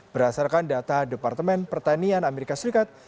berdasarkan data departemen pertanian amerika serikat